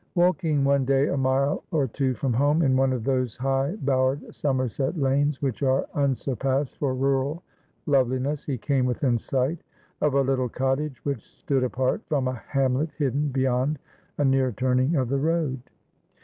Walking one day a mile or two from home, in one of those high bowered Somerset lanes which are unsurpassed for rural loveliness, he came within sight of a little cottage, which stood apart from a hamlet hidden beyond a near turning of the road.